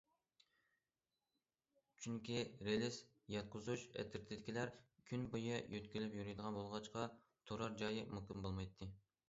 چۈنكى رېلىس ياتقۇزۇش ئەترىتىدىكىلەر كۈن بويى يۆتكىلىپ يۈرىدىغان بولغاچقا، تۇرار جايى مۇقىم بولمايتتى.